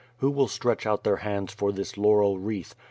. Who will stretch out their hands for this laurel wreath?